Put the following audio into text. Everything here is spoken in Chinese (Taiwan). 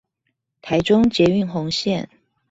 臺中捷運紅線